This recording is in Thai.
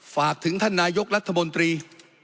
ฝากถึงท่านนายกรัฐมนตรี